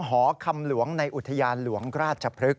หอคำหลวงในอุทยานหลวงราชพฤกษ